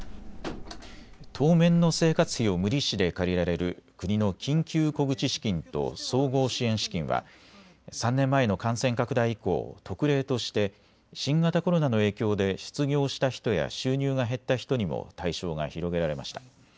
当面の生活費を無利子で借りられる国の緊急小口資金と総合支援資金は３年前の感染拡大以降、特例として新型コロナの影響で失業した人や収入が減った人にも対象が広げられました。